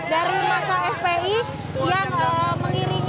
dari massa fpi yang mengirimkan